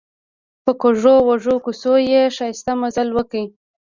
په کږو وږو کوڅو یې ښایسته مزل وکړ.